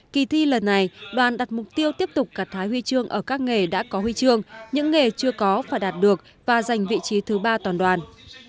kỳ thi lần này đoàn đặt mục tiêu tiếp tục gạt thái huy chương ở các nghề đã có huy chương những nghề chưa có phải đạt được và giành vị trí thứ ba toàn đoàn